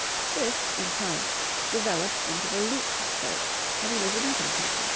This, in time, developed into the looped skirts of Elizabethan times.